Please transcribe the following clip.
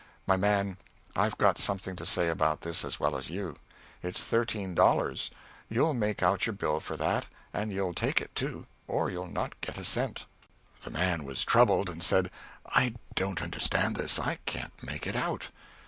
"My man, I've got something to say about this as well as you. It's thirteen dollars. You'll make out your bill for that, and you'll take it, too, or you'll not get a cent." The man was troubled, and said, "I don't understand this. I can't make it out."